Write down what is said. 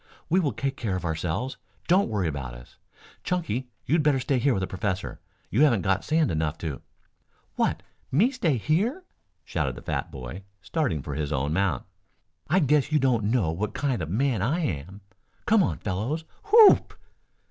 We will take care of ourselves. Don't worry about us. Chunky, you'd better stay here with the professor. You haven't got sand enough to " "What, me stay here?" shouted the fat boy, starting for his own mount. "I guess you don't know what kind of a man I am. Come on, fellows. Whoop!"